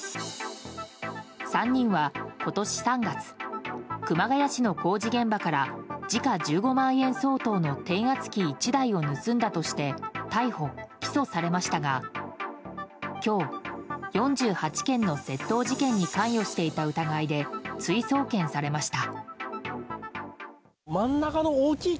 ３人は今年３月熊谷市の工事現場から時価１５万円相当の転圧機１台を盗んだとして逮捕・起訴されましたが今日、４８件の窃盗事件に関与していた疑いで追送検されました。